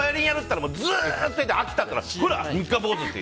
ずっとやって飽きたとかいうとほら、三日坊主って。